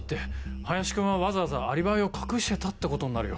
林君はわざわざアリバイを隠してたってことになるよ。